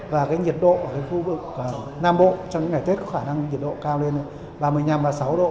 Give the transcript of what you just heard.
và nhiệt độ ở khu vực nam bộ trong những ngày tết có khả năng nhiệt độ cao lên ba mươi năm ba mươi sáu độ